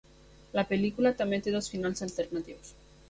La pel·lícula també té dos finals alternatius.